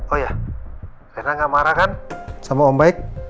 oh iya reina gak marah kan sama om baik